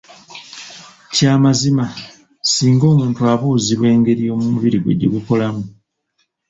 Kya mazima singa omuntu abuuzibwa engeri omubiri gwe gyegukolamu.